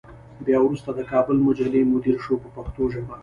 بیا وروسته د کابل مجلې مدیر شو په پښتو ژبه.